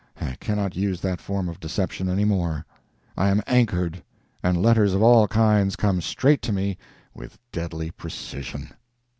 I cannot use that form of deception any more. I am anchored, and letters of all kinds come straight to me with deadly precision.